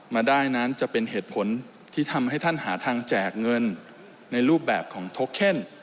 มาได้นั้นจะเป็นเหตุผลที่ทำให้ท่านหาทางแจกเงินในรูปแบบของโทเคน